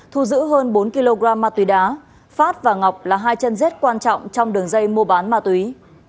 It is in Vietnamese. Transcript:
thu giữ hơn bốn kg ma túy đá phát và ngọc là hai chân rết quan trọng trong đường dây mua bán ma túy